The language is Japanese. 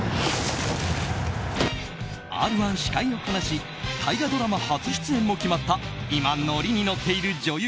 「Ｒ‐１」司会をこなし大河ドラマ初出演も決まった今、乗りに乗っている女優